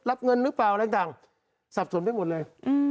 รับเงินรึเปล่าสับสนได้หมดเลย